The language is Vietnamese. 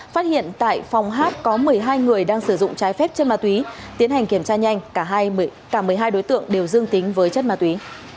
phát hiện tại phòng hát có một mươi hai người đang sử dụng trái phép chân ma túy tiến hành kiểm tra nhanh cả một mươi hai đối tượng đều dương tính với chất ma túy